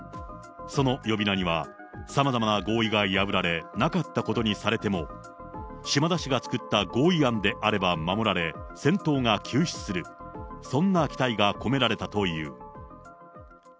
その呼び名には、さまざまな合意が破られ、なかったことにされても、島田氏が作った合意案であれば守られ、戦闘が休止する、そんな期待が込められたという。